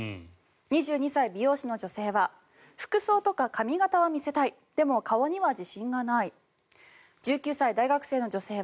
２２歳美容師の女性は服装とか髪形は見せたいでも顔には自信がない。